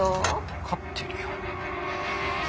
分かってるよ。